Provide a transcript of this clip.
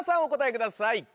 お答えください